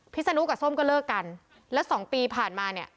พี่สนุกกับส้มก็เลิกกันแล้ว๒ปีผ่านมา